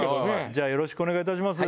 じゃあよろしくお願いいたします。